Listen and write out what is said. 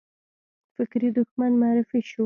فکري دښمن معرفي شو